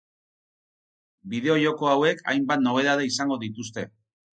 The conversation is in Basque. Bideo-joko hauek hainbat nobedade izango dituzte.